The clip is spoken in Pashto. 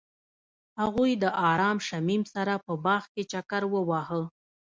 هغوی د آرام شمیم سره په باغ کې چکر وواهه.